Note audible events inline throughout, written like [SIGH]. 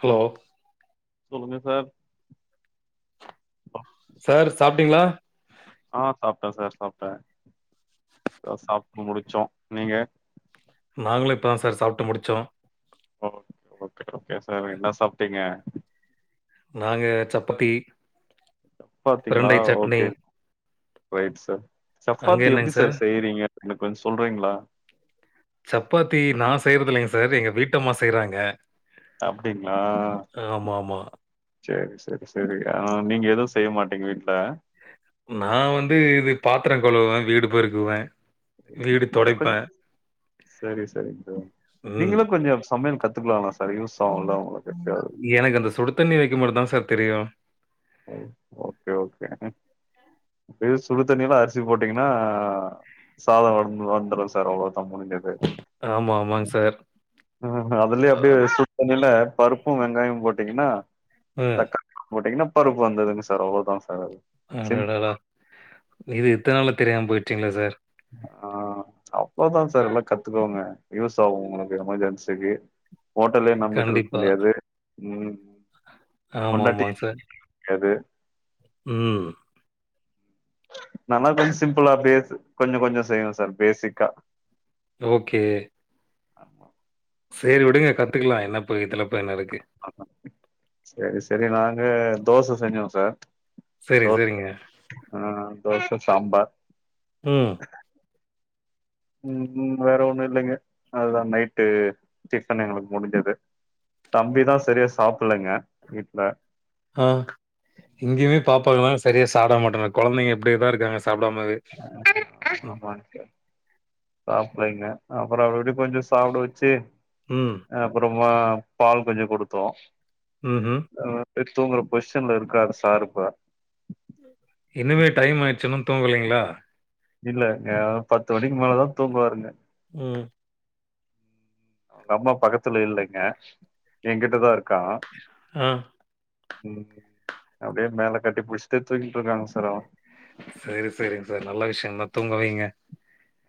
Hello சொல்லுங்க sir sir சாப்ட்டீங்ளா ஆ சாப்ட்டே சார் சாப்ட்டே இப்பதா சாப்ட்டு முடிச்சோ நீங்க நாங்களு இப்பதா சார் சாப்ட்டு முடிச்சோ ஓகே ஓகே ஓகே சாரு என்ன சாப்ட்டீங்க நாங்க சப்பத்தி சப்பாத்திங்ளா ஓகே ரைட் சார் அங்க சப்பாத்தி என்னங்க எப்டி சார் செய்றீங்க எனக்கு கொஞ்ச சொல்றீங்ளா சப்பாத்தி நா செய்யறதில்லைங்க சார் எங்க வீட்டம்மா செய்றாங்க அப்டிங்ளா ஆமாமா. சேரி சேரி சேரி ஆ நீங்க எதுவு செய்ய மாட்டீங்க வீட்ல நா வந்து இது பாத்தர கழுவுவே வீடு பெருக்குவே வீடு தொடைப்பே செரி செரிங்க சார் ம். நீங்களு கொஞ்ச சமையல் கத்துக்கலால சார் யூஸ் ஆகுல உங்களுக்கு எப்பயாவ்து எனக்கு அந்த சுடுத்தண்ணி வைக்க மட்டு தா சார் தெரியு ஓ ஓகே ஓகே இது சுடு தண்ணில அரிசி போட்டீங்னா சாத வரும் வந்துரு சார் அவ்ளோதா முடிஞ்சது ஆமா ஆமாங்க சார் ம் அதுலே அப்டியே சுடு தண்ணில பருப்பு வெங்காயமு போட்டீங்கனா அ தக்கா போட்டீங்கனா பருப்பு வந்துருங்க சார் அவ்ளோதா சார் அது சிம்பிள் அடடடா இது இத்தன நாளு தெரியாம போய்டுச்சுங்களே சார் ஆ அவ்ளோதா சார் எல்லா கத்துக்கோங்க யூஸ் ஆகு ஒங்களுக்கு எமெர்ஜென்சிக்கு ஹோட்டலே நம்பிட்டு இருக்க கண்டிப்பா. முடியாது ம் ஆமா, பொண்டாட்டி ஆமாங்க சார். [INAUDIBLE] யாது ம் நாலா கொஞ்ச சிம்பிளா அப்டியே கொஞ்ச கொஞ்ச செய்வே சார் பேசிக்கா ஓகே ஆமா சேரி விடுங்க கத்துக்கலா என்ன போய் இதுல போய் என்ன இருக்கு செரி செரி நாங்க தோச செஞ்சோ சார் சரி சரிங்க அ தோச சாம்பார் ம் ம் வேற ஒண்ணு இல்லைங்க அதுதா நைட்டு டிஃபன் எங்களுக்கு முடிஞ்சது தம்பி தா சரியா சாப்புலங்க வீட்ல ஆ இங்கேயுமே பாப்பாங்களா செரியா சாப்ட மாட்ராங்க கொழந்தைங்க இப்டியேதா இருக்காங்க சாப்டாமவே ஆமாங்க சாப்லங்க அப்புறோ அப்டி இப்டி கொஞ்சோ சாப்புட வெச்சு ம் அப்புறமா பால் கொஞ்சோ குடுத்தோ ம் ம் ஆ சரி தூங்கர பொஸிஷன்ல இருக்காரு சார் இப்ப இன்னுமே டைம் ஆய்ச்சு இன்னு தூங்கலைங்களா இல்லங்க பத்து மணிக்கு மேலதா தூங்குவாருங்க ம் அம்மா பக்கத்துல இல்லைங்க எகிட்டதா இருக்கா ஆ ம் அப்டியே மேல கட்டி புடிஸ்ட்டு தூங்கிட்டு இருக்காங்க சார் அவ சரி சரிங்க சார் நல்ல விஷிய தா தூங்க வைங்க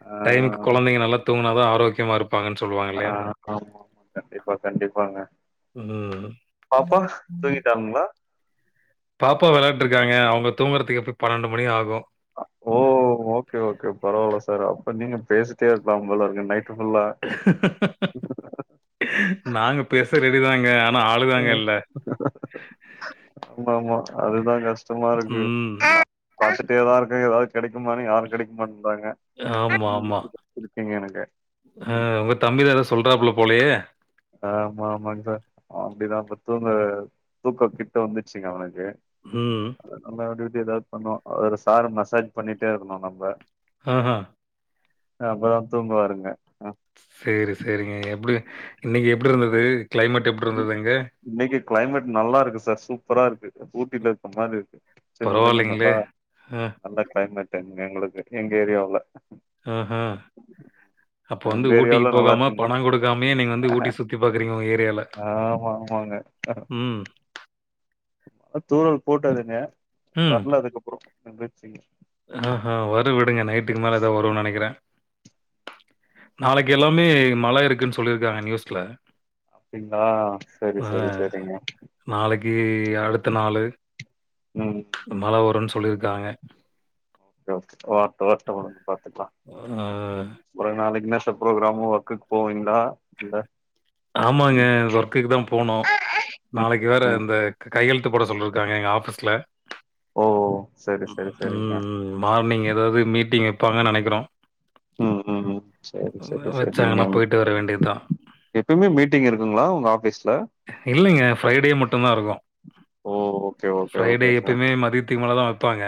ஆ டைமுக்கு கொழந்தைங்களா நல்லா தூங்க னாதா ஆரோக்கியமா இருப்பாங்கன்னு சொல்லுவாங்க ஆ இல்லயா ஆமா ஆமா கண்டிப்பா கண்டிப்பாங்க ம். பாப்பா தூங்கிட்டாங்களா பாப்பா வெளயாண்ட்டுருக்காங்க அவங்க தூங்குரதுக்கு எப்பயு பன்னெண்டு மணி ஆகு ஓ ஓகே ஓகே பரவால சார் அப்ப நீங்க பேசிட்டே இருக்கலா போல இருக்கு நைட்டு ஃபுல்லா நாங்க பேச ரெடிதாங்க ஆனா ஆளுதாங்க இல்ல ஆமா ஆமா அதுதா கஷ்டமா இருக்கு ம். பாத்துட்டே தா இருக்கே யராது கெடைக்குமான்னு யாரு கெடைக்க மாட்டேன்ராங்க ஆமா ஆமா ஹா ம். உங்க தம்பிதா ஏதோ சொல்றாப்புல போலையே ஆமா ஆமாங்க சா அப்டிதா இப்ப தூங்க தூக்கொ கிட்ட வந்துச்சுங்க அவனுக்கு ஹ்ம் நம்ம அப்டி இப்டி ஏதாவது பண்ணுவா அவர் சார் மசாஜ் பண்ணிட்டே இருக்கணு நம்ப ஹ ஹா அப்பதா தூங்கு வாருங்க சேரி சேரிங்க எப்டி இன்னைக்கி எப்டி இருந்தது கிளைமேட் எப்டி ம். இருந்தது அங்கே இன்னைக்கு கிளைமேட் நல்லா இருக்கு சார் சூப்பரா இருக்கு ஊட்டில இருக்க மாரி இருக்கு சில்லுன்னு பரவாயில்லைங்களே! நல்லா அ, நல்ல கிளைமேட் இங்க எங்களுக்கு எங்க ஏரியாவுல ஹ ஹ அப்ப வந்து உங்க ஊட்டிக்கு ஏரியாவுல நல்லா போகாம இருக்குங்களா பணோ கொடுக்காமயே நீங்க வந்து ஊட்டி சுத் தி பாக்குறீங்க உங்க ஏரியால ஆமா ஆமாங்க ம் தூரல் போட்டாறுங்க வர்ல அதுக்கப்புறோ நின்டுச்சு ஆ ஆ வரு விடுங்க நைட்டுக்கு மேலே தா வரு நெனைக்கிறே நாளைக்கு எல்லாமே மழ இருக்குன்னு சொல்லியிருக்காங்க நியூஸ்ல அப்டிங்களா சரி ஆ சரி சரிங்க நாளைக்கு அடுத்த நாளு ம் மழ வருனு சொல்லியிருக்காங்க ம் வர்ட்டு வர்ட்டும் பாத்துக்கலா ஆ ஒரு நாளைக்குன்னா ஸ்டெப் புரோக்ராமு ஒர்க்குக்கு போவீங்களா இல்ல ஆமாங்க ம் ஒர்க்குக்கு தா போணு ம் நாளக்கி வேற ம் இந்த கையெழுத்து போட சொல்லிருக்காங்க எங்க ஆஃபீஸ்ல ஓ சரி ம் சரி சரிங்க ம் மார்னிங் ஏதாவது மீட்டிங் வெப்பாங்கன்னு நெனக்கிறோ ம் ம் ம் சரி வே சரி வெச்சாங்கன்னா போய்ட்டு வர வேண்டியதுதா எப்பமே மீட்டிங் இருக்குங்களா உங்க ஆஃபீஸ்ல இல்லைங்க ஃப்ரைடே மட்டு தாயிருக்கு ஓ okay okay Friday okay sir எப்பமே மதித்துக்கு மேலதா வெப்பாங்க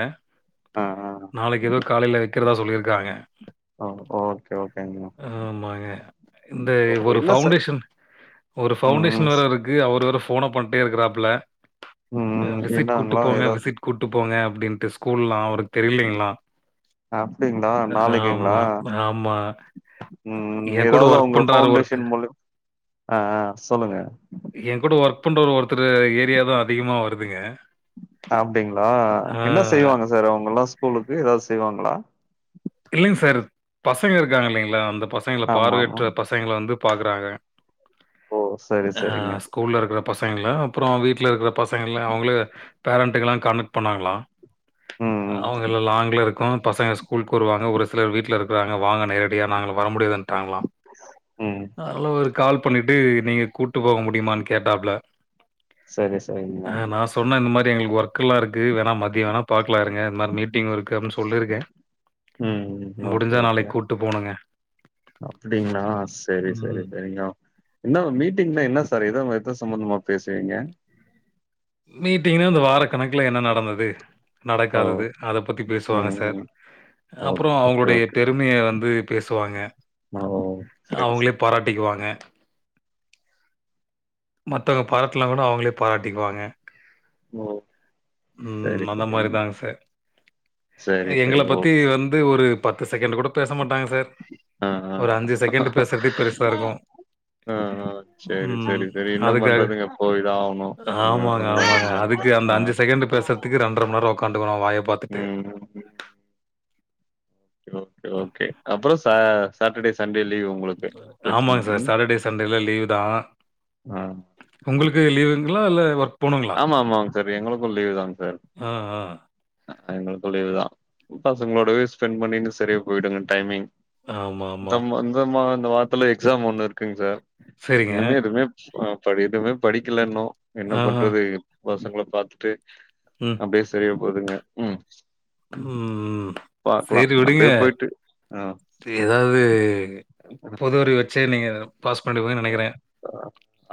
ஆ ஆ நாளைக்கி ஏதோ காலைல வெக்கிறதா சொல்லிருக்காங்க ஓ ஓகே ஓகேங்க ஆம்மாங்க இந்தே ஓ ஒரு என்ன சார் ஃபெளண்டேஷன் ஒரு ம் ஃபெளண்டேஷன் வேற இருக்கு அவரு வேற போன பண்ட்டே இருக்றாப்ல ம் அ ம் விசிட் கூட்டு என்னாங்களா போங்க ஏதாவது விசிட் கூட்டு போங்க அப்டின்ட்டு ஸ்கூல்லா அவருக்கு தெரிலைங்களா அப்டிங்களா நாளைக்குங்களா ஆமா. ம் என் கூட ஏதாவது வொர்க் அவுங்க பண்றாரு ஃபெளண்டேஷன் ஒருத்தர். முலிய அ அ சொல்லுங்க ஏ கூட ஒர்க் பண்ற ஒர்த்தர் ஏரியா தா அதிகமா வருதுங்க அப்டிங்களா ஆ என்ன செய்வாங்க சார் அவங்கல்லா ஸ்கூலுக்கு ஏதாவது செய்வாங்களா இல்லேங்க சார் பசங்க இருக்காங்கல்லைங்களா அந்த பசங்கள ஆமா ஆமா பார்வையற்ற பசங்கள வந்து பாக்குறாங்க ஓ சரி ஆ சரிங்க ஸ்கூல்ல இருக்குற பசங்கள அப்றோ வீட்ல இருக்குற பசங்கள அவுங்களே பேரண்ட்டுக்கலா காண்டெக்ட் பண்ணாங்களா ம் ம் அவுங்களல்லா லாங்குருக்கு பசங்கள ஸ்கூல் வாங்க ஒரு சிலர் வீட்ல இருக்குறாங்க வாங்க நேரடியா நாங்க வர முடியாதுன்னுடா ங்களா ம் அதுல ஒரு கால் பண்ணிட்டு நீங்க கூட்டு போக முடியுமான்னு கேட்டாப்ல செரி செரிங்களா சொன்னா இந்த மாதிரி எங்களுக்கு ஒர்க்கெல்லா இருக்கு வேணா மதியம் வேணா பாக்கலாருங்க இந்த மாரி மீட்டிங் ஒர்க் அப்டின்னு சொல்லியிருக்கே ம் ம் ஓகே ஓகே போணுங்க. அப்டிங்களா செரி செரி ம். செரிங்க என்னவா மீட்டிங்னா என்ன சார் ஏதோ ஏது சம்பந்தமா பேசுவீங்க மீட்டிங்னா இந்த வாரகணக்குல என்ன நடந்தது ஓ நடக்காதது அத பத்தி பேசுவாங்க ம் சார் ம் அப்றோ ஓகே ஓகே அவங்களுடைய பெருமைய வந்து பேசுவாங்க மாஓ அவுங்களே பாராட்டிக்குவாங்க மத்தவங்க பாராட்டல கூட அவுங்களே பாராட்டிக்குவாங்க ஓ சரி உம் அந்த மாதிரி சரிங்க. தா சார் சரி எங்கள சரி பத்தி ஓகே. வந்து ஒரு பத்து செகெண்ட் கூட பேச மாட்டாங்க சார் ஆ ஆ ஒரு அஞ்சு செகெண்டு் பேசுறதே பெருசா ஆ இருக்கு ஆ ஆ. சரி உம் சரி சரி என்ன அதுக்காக பண்றதுங்க போய்தான் ஆவணு. உங்க ஆமாங்க உங்க ஆமாங்க அதுக் நெலமைல அந்த ஆ அஞ்சு செகண்ட் பேசுறதுக்கு ரெண்டரமன்நேரோ ஒக்காந்திருக்கணு வாய பாத்துட்டு ம் ஓகே ஓகே அப்றோ சா சாட்டடே சண்டே லீவ் உங்களுக்கு பிரச்சன ஆமாங்க சார் ம் சாட்டடே சண்டேல லீவு தா ஆ உங்களுக்கு லீவுங்களா இல்ல ஒர்க் ஆமா ஆமாங்க சார் எங்களுக்கு லீவு தா சார் ஆ, ஆ. அ எங்குளுக்கு லீவுதா பசங்களோடவே ஸ்பெண் பண்ணிண்ட்டு செரியா போயிடுங்க டைமிங். ஆமாமா. தம்மா இந்தம்மா இந்த வார்த்துல எக்ஸாம் ஒன்னு இருக்குங் சார். சரிங்க. இன்னுமே எதுமே ஆ படி எதுமே படிக்கல இன்னு என்ன ஆஹ. பண்றது பசங்கள பாத்துட்டு ம். அப்டியே செரியா போதுங்க ம். ம் ம் பாக்கலாம் சேரி விடுங்க. அப்டியே போயிட்டு ஆ து எதாவுது பொதுஅறுவு வெச்சே நீங்க பாஸ் பண்டுவே நெனைக்கிறே.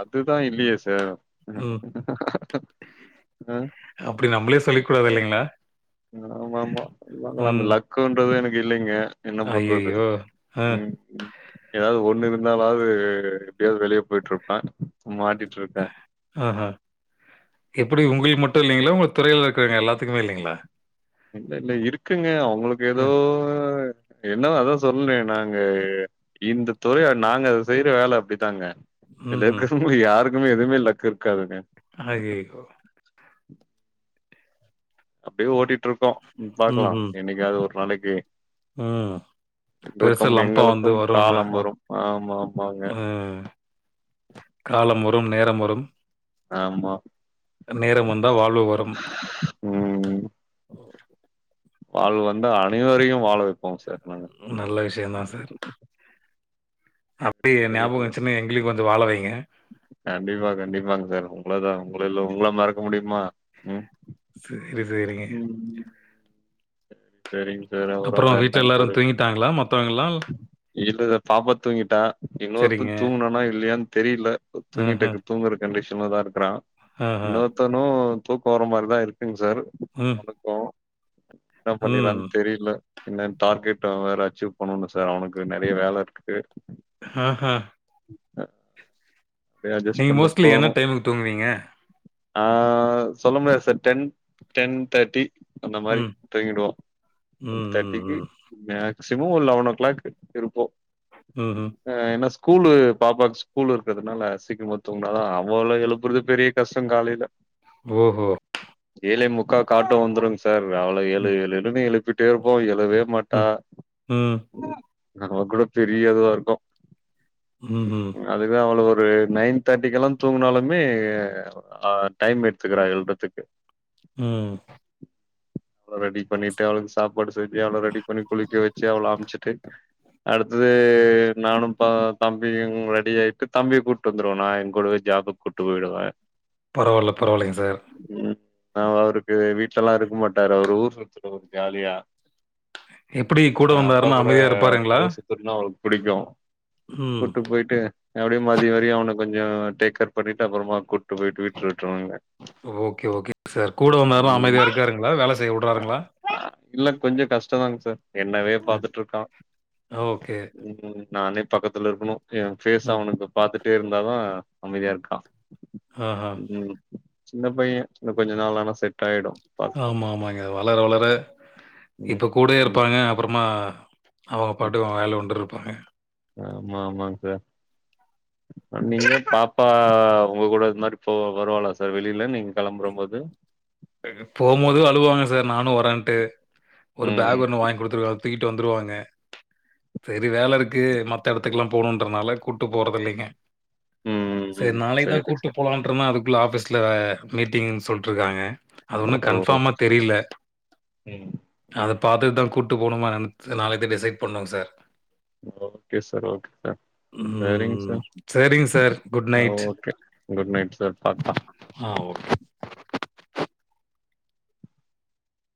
அதுதா இல்லியே சார் ம். அ. அப்டி நம்பளே சொல்லிக் கூடாது இல்லிங்ளா? அ ஆமாமா தா [UNINTELLIGIBLE] அந்த லக்குன்றது எனுக்கு இல்லீங்க. என்ன பண்றது ஐயய்யோ! அ, ம் ம். எதாவ்து ஒன்னு இருந்தாலாவ்து எப்டியாவ்து வெளிய போய்ட்ருப்பே மாட்டிட்ருக்கே. ஆஹ எப்பிடி உங்குள்க்கு மட்டு இல்லீங்ளா உங்க துறையில இருக்கிறங்க எல்லாத்துக்குமே இல்லிங்களா? இல்லல்ல இருக்குங்க அவுங்களுக்கு எதோ அ, என்னவோ அதா சொன்னே நாங்க இந்த துறைய நாங்க அத செய்ற வேல அப்டிதாங்க. இதுல ம்ஹ்ம். இருக்கறவுங்களு யாருக்குமே எதுமே லக்கு இருக்காதுங்க. அய்யய்யோ. அப்டியே ஓட்டிட்ருக்கோ ம் பாக்லா ம்ஹ்ம். என்னைக்காவ்து ஒரு நாளைக்கி ம். பெருசா லம்பா வந்து எங்களுக்கும் வருன்னா காலம் வரும் ஆமா ஆமாங்க ம். காலம் வரும் நேரம் வரும் ஆமா நேரம் வந்தா வாழ்வு வரும். ம் ஓகோ. வாழ்வு வந்தா அனைவரையு வாழ வெப்போ சார் நாங்க. ம் நல்ல விஷ்யந்தா சார். அப்டியே எ சரி ஞாபகொ சார் வஞ்ச்சுன்னா எங் கிலியு கொஞ்சோ வாழ வெய்ங்க. கண்டிப்பா கண்டிப்பாங் சார் உங்களதா உங்கள எல்லா உங்கள மறக்க முடியுமா ம். சேரி சேரிங்க. ம் சரிங்க சார் அப்றோ அப்புறோ வேற வீட்ல என்னங்க எல்லாரு சார் விஷ் தூங்கிட்டாங்ளா மத்தவங்கல்லால் இல்ல தா பாப்பா தூங்கிட்டா இன்னொருத்த சரிங்க. தூங்குனானா இல்லியான் தெரியில்ல ஆஹ, தூங்கிட்டக்கு தூங்குற கண்டிஷன்ல தா இருக்கறா. ஆஹ. இன்னொர்த்தனு தூக்கோ வர மாரிதா இருக்குங் சார். ம். க்கு ன்னா ம். பண்ணிகிறான் தெரியில்ல. என்னன் டார்கெட்டு வேற அச்சீவ் பண்ணுனு சார் அவுனுக்கு நெறைய வேல இருக்குது. ஆஹ. அ ப்டியே அட்ஜஸ்ட் நீங்க பண்ட்டு மோஸ்ட்லி என்ன போவுணு. டைமுக்கு தூங்குவீங்க? ஆ சொல்ல முடியாது சார் டென் டென் தேட்டி அந்த மாரி ம். துங்கிடுவோ டென் ம் ம் தேட்டிக்கி ம். மேக்சிமோ ஒரு லெவன் ஓ கிளாக்கு இருப்போ. ம் ஹு. அ ஏனா ஸ்கூலு பாப்பாக் ஸ் கூலு இருக்கறதுனால சீக்ரமா தூங்னாதா அவள எழுப்புறது பெரிய கஷ்டங் காலைல ஓஹோ. ஏழே முக்காக்கு ஆட்டோ வந்துருங் சார் அவள எழு ம் எழு எழுனு எழுப்பிட்டேருப்போ எழுவே மாட்டா ம் ம். அவ கூட பெரிய இதுவாருக்கு. ம்ஹு. அதுதா அவள ஒரு நைன் தேட்டிக்கெல்லா தூங்குனாலுமே அ ஆ டைம் எடுத்துக்கிறா எழ்துற்திக்கு ம் அவ ரெடி பண்ணிட்டு அவுளுக் சாப்பாடு செஞ்சு அவ்ளோ ரெடி பண்ணி குளிக்க வெச்சு அவ்ள அம்ச்சிட்டு அடுத்தது நானு ப தம்பி ரெடி ஆயிட்டு தம்பி கூட் வந்துருவ நானே என்கூடவே ஜாபுக் கூட்டு போய்டுவ பரவால்ல பரவால்லைங்க சார் ம் ம் அவருக்கு வீட்லெல்லா இருக்க மாட்டாரு அவுரு ஊர் சுத்துறவர் ஜாலியா எப்படி கூட ஆ அப்பா வந்தாருன்னா கூட அமைதியா இருப்பாருங்களா? ஊர் சு த்திற்த்னா அவுருக் பிடிக்கு ம். கூட்டு போய்ட்டு அப்டியே மதிய வரையு அவன கொஞ்சோ டேக்கேர் பண்ணிட்டு அப்புறமா கூட்டு போய்ட்டு வீட்ல விட்ருவாங்க ஓகே ஓகே சார் கூட வந்தாலு ம் அமைதியா இருக்காருங்களா வேல செய்ய உட்றாருங்ளா இல்ல கொஞ்ச கஷ்ட தாங் சார் என்னவே ம். பாத்துட்ருக்கா ஓகே. ம் நானே பக்கத்துல இருக்கணு எ பேஸ் ம். அவனுக்கு பாத்துட்டே இருந்தாதா அமைதியா இருக்கா ஆஹா. ம் சின்ன பைய இன்ன கொஞ்ச நாள் ஆனா செட் ஆயிடு பாக்லா ஆமா ஆமாங்க வளர வளர ம் இப்ப கூடே ம் இருப்பாங்க அப்பறமா அவங்க ம் பாட்டுகு அவ வேல உண்டு இருப்பாங்க ஆமா ஆமாங் சார் நீங்க பாப்பா உங்க கூட இத் மாரி போவா வருவாலா சார் வெளியில நீங்க கெளம்புறம் போது போம்மோது அழுவாங்க சார் நானு வரன்ட்டு ஒரு ம் பேக் ஒன்னு வாய்ங் குடுத்துருக்க தூக்கிட்டு வந்துருவாங்க செரி வேல இருக் கு மத்த எடத்துக்குல்லா போணுன்றனால கூட்டு போறது இல்லைங்க ம் செரி ம் நாளைகு தா சேரி கூட்டு சார் போலான் சடனா அதுக்குள்ள ஆபீஸ்ல மீட்டிங்ன் சொல்ட்ருக்காங்க அது ஓ ஒன்னு கன்ஃபாமா தெரியில ம் அத பாத்துட் தா கூட்டு போணுமா எனன் நாளைக் தா டிசைட் பண்ணு sir okay sir okay sir செரிங்க ம். சார் சரிங்க sir. Good uh night. Okay good night sir பாக்லா ஆ ஓகே